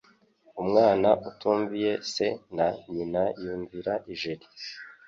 Umwana utumviye se na Nyina yumvira ijeri